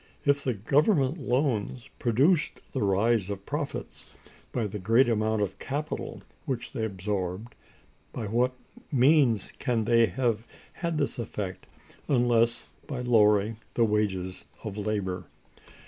If the Government loans produced the rise of profits by the great amount of capital which they absorbed, by what means can they have had this effect, unless by lowering the wages of labor?